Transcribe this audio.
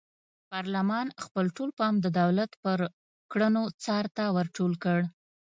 پارلمان خپل ټول پام د دولت پر کړنو څار ته ور ټول کړ.